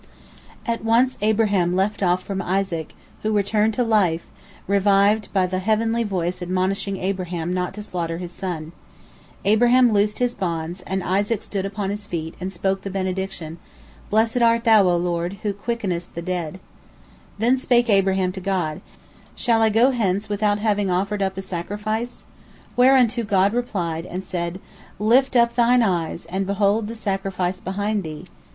At once Abraham left off from Isaac, who returned to life, revived by the heavenly voice admonishing Abraham not to slaughter his son. Abraham loosed his bonds, and Isaac stood upon his feet, and spoke the benediction, "Blessed art Thou, O Lord, who quickenest the dead." Then spake Abraham to God, "Shall I go hence without having offered up a sacrifice?" Whereunto God replied, and said, "Lift up thine eyes, and behold the sacrifice behind thee."